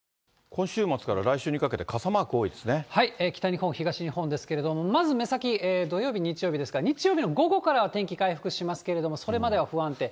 今週末から来週にかけて、北日本、東日本ですけれども、まず目先、土曜日、日曜日ですが、日曜日の午後からは天気回復しますけれども、それまでは不安定。